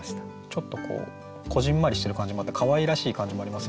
ちょっとこうこぢんまりしてる感じもあってかわいらしい感じもありますよね